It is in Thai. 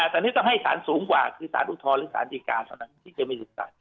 แต่นี่ต้องให้สารสูงกว่าคือสารอุทธรรมหรือสารดีการสำหรับที่เกิดมีสิทธิ์สรรค์